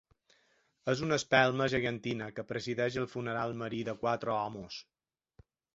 És una espelma gegantina que presideix el funeral marí de quatre homes.